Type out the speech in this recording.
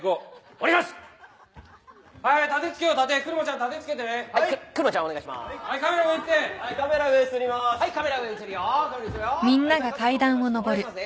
お願いしますね。